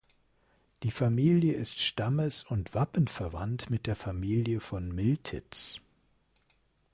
Die Familie ist stammes- und wappenverwandt mit der Familie von Miltitz.